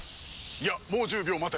いやもう１０秒待て。